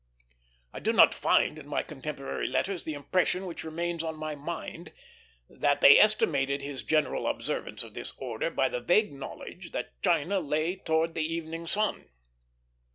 I do not find in my contemporary letters the impression which remains on my mind, that they estimated his general observance of this order by the vague knowledge that China lay towards the evening sun.